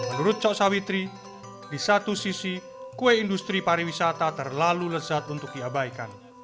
menurut cok sawitri di satu sisi kue industri pariwisata terlalu lezat untuk diabaikan